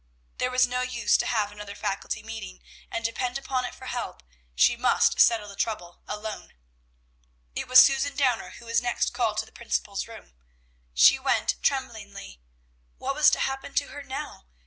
There was no use to have another Faculty meeting, and depend upon it for help; she must settle the trouble alone. It was Susan Downer who was next called to the principal's room. She went tremblingly. What was to happen to her now?